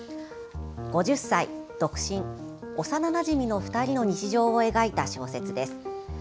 ５０歳独身、幼なじみの２人の日常を描いた小説です。